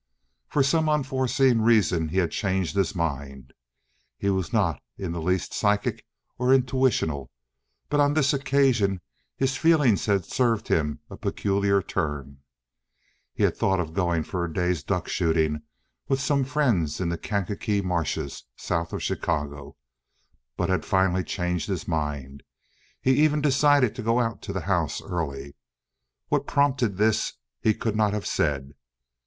For some unforeseen reason he had changed his mind. He was not in the least psychic or intuitional, but on this occasion his feelings had served him a peculiar turn. He had thought of going for a day's duck shooting with some friends in the Kankakee Marshes south of Chicago, but had finally changed his mind; he even decided to go out to the house early. What prompted this he could not have said.